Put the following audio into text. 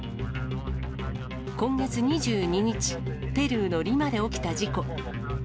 今月２２日、ペルーのリマで起きた事故。